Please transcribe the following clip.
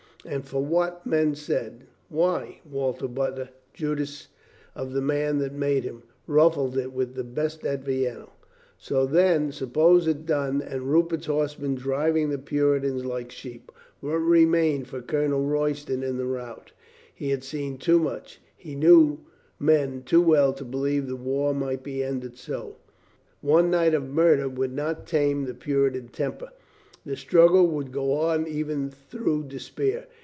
And for what men said — why, Walter Butler, Judas of the man that made him, ruffled it with the best at Vienna. So, then, suppose it done, and Rupert's horsemen driving the Puritans like sheep. What remained for Colonel Royston in the rout? He had seen too much, he knew men too well, to believe the war might be ended so. One night of murder would not tame the Puritan temper. The struggle would go on even through despair.